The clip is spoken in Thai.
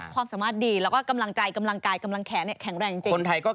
ความสามารถดีแล้วก็กำลังใจกำลังกายกำลังแขนแข็งแรงจริง